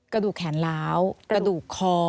กระดูกแขนล้าวกระดูกคอ